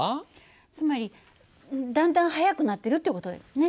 つまりだんだん速くなってるって事よね。